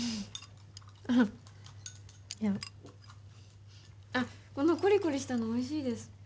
あっ、いやあっ、このコリコリしたのおいしいです。